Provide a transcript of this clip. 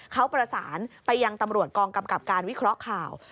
เขาประสานไปยังตำรวจกองกำกับการวิเคราะห์ข่าว